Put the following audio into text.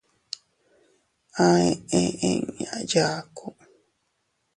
A eʼe inña yaku.